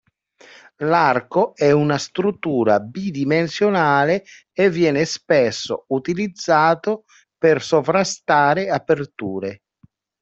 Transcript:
L'arco è una struttura bidimensionale e viene spesso utilizzato per sovrastare aperture.